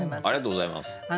ありがとうございます。